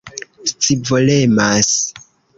scivolemas